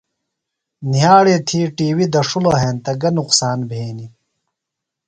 نِھیاڑی تھی ٹی وی دڇھِلو ہینتہ گہ نقصان بھینیۡ؟